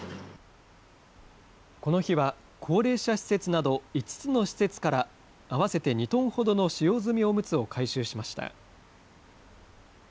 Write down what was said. この日は、高齢者施設など、５つの施設から、合わせて２トンほどの使用済みおむつを回収しました。